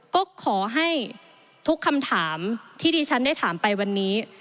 ก็ขอให้ทุกคำถามที่ที่ฉันได้ถามไปวันนี้